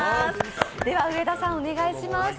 上田さん、お願いします。